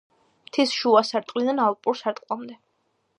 მთის შუა სარტყლიდან ალპურ სარტყლამდე.